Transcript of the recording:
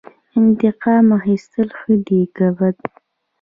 انتقام اخیستل ښه دي که بد؟